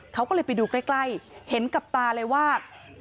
เขาก็เลยไปดูใกล้เห็นกับตาเลยว่า